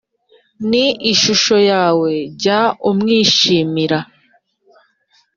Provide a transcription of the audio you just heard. ni ishusho yawe jya umwishimira